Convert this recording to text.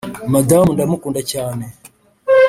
madamu ndamukunda cyane,